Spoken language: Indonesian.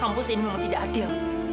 kampus ini memang tidak adil